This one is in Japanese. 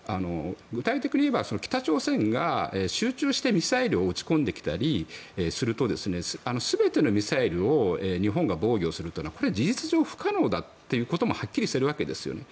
具体的に言えば北朝鮮が集中してミサイルを撃ち込んできたりすると全てのミサイルを日本が防御するっていうのはこれは事実上不可能だということもはっきりしているわけですよね。